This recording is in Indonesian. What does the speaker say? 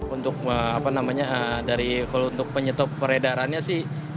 untuk apa namanya dari kalau untuk penyetop peredarannya sih